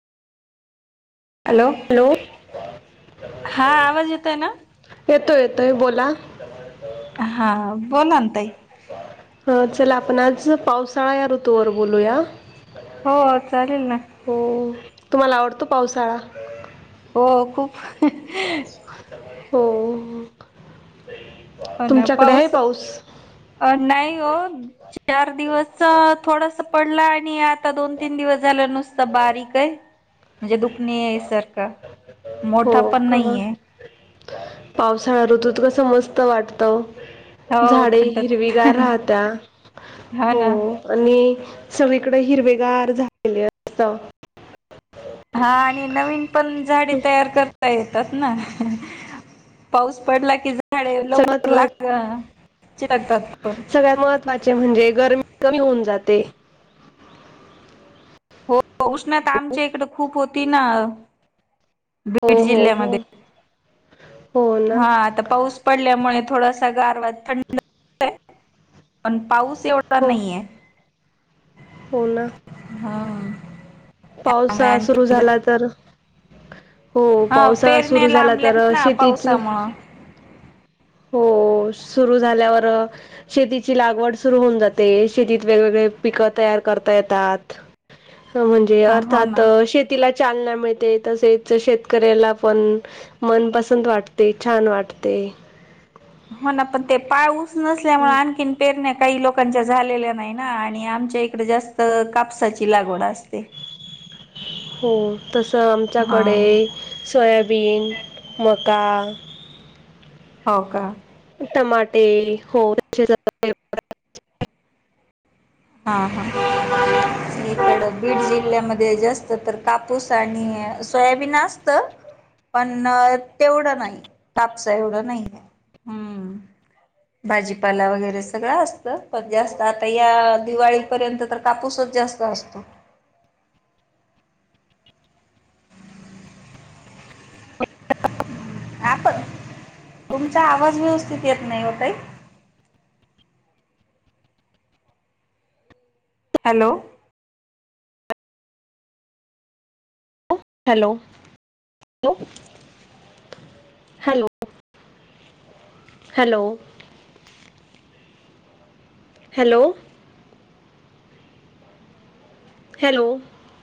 Hello हा आवाज येत आहे ना येतोय येतोय बोला हा हा. बोला ना ताई. हा. चला आपण आज पावसाळा या ऋतूवर बोलूया. हो चालेल ना. तुम्हाला आवडतो पावसाळा? हो खूप. हो. हो ना. तुमच्याकडे पाऊस आहे अ नाही हो. चार दिवस थोडासा पडला आणि आता आता दोन तीन दिवस झालं नुसत बारीक आहे म्हणजे दुखणे याय सारखं. हो मोठा पण का नाहीये. पावसाळा ऋतूत कस मस्त वाटत. हो झाडे थंड हिरवीगार थंड राहत्या. हो. आणि सगळीकडे हिरवेगार झालेले असत. हा आणि नवीन पण झाडे तयार करत येतात ना. पाऊस पडला की झाडे सगळ्यात लवकर महत्वा लाग चकतात पण. सगळ्यात महत्त्वाचे म्हणजे गरमी कमी होऊन जाते. हो उष्णता आमच्या इकडे खूप होती ना. हो बीड हो हो जिल्ह्यामध्ये. हो ना हा. आता पाऊस पडल्यामुळे थोडासा गारवा थंड [unintelligible] पण पाऊस तेवढं हो नाहीये. हो ना. हा. त्यामुळे पावसाळा सुरु आणखी झाला तर हो. हा पावसाळा पेरण्या सुरू झाला लांबल्यात तर ना शेतीची पावसामुळं हो. सुरू झाल्यावर शेतीची लागवड सुरू होऊन जाते. शेतीत वेगवेगळे पिक तयार करता येतात. म्हणजे हो ना अर्थात शेती तिला चालना मिळते तसेच शेतकऱ्याला पण. मनपसंत वाटते. छान वाटते. हो ना पण ते पाऊस नसल्यामुळे आ पेरण्या काही लोकांच्या झालेल्या नाही ना. आणि आमच्या इकडें जास्त कापसाची लागवड असते. हो तसं हा आमच्याकडे सोयाबीन, मका. हो का. टमाटे हो [unintelligible] हा हा. इकडं बीड जिल्ह्यामध्ये जास्त तर काप पुूसा आणि आहे सोयाबीन अस असतं, पण तेवढं नाही. कापसा एवढं नाही आहे. हम्म. भाजीपाला वगैरे सगळं असतं. पण जास्त आता या दिवाळीपर्यंत तर कापूसच जास्त असतो. आप तुमचा आवाज व्यवस्थित येत नाही ओ ताई. Hello. Hello hello. Hello. Hello. Hello. Hello.